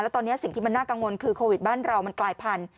แล้วตอนนี้สิ่งที่มันน่ากังวลคือโรคโควิด๑๙บ้านเรามันกลายผ่าน